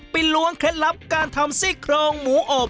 ล้วงเคล็ดลับการทำซี่โครงหมูอบ